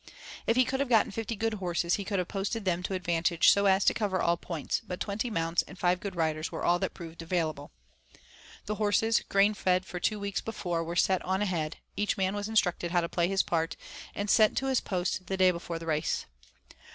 If he could have gotten fifty good horses he could have posted them to advantage so as to cover all points, but twenty mounts and five good riders were all that proved available. The horses, grain fed for two weeks before, were sent on ahead; each man was instructed how to play his part and sent to his post the day before the race.